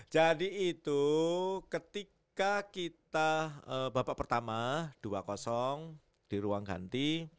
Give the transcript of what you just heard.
jadi itu ketika kita babak pertama dua di ruang ganti